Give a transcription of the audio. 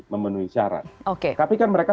memenuhi syarat oke tapi kan mereka